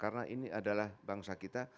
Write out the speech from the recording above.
karena ini adalah bangsa kita